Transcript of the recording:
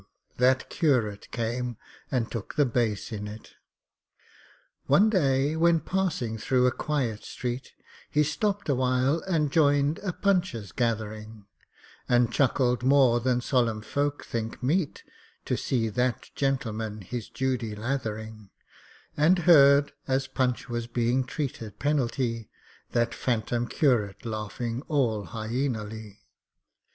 that curate came and took the bass in it! One day, when passing through a quiet street, He stopped awhile and joined a Punch's gathering; And chuckled more than solemn folk think meet, To see that gentleman his Judy lathering; And heard, as Punch was being treated penalty, That phantom curate laughing all hyænally.